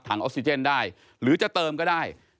ออกซิเจนได้หรือจะเติมก็ได้